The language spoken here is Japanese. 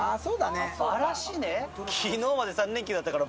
きのうまで３連休だったから。